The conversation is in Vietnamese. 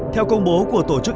theo công bố của tổ chức